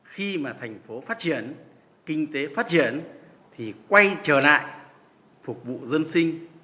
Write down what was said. khi mà thành phố phát triển kinh tế phát triển thì quay trở lại phục vụ dân sinh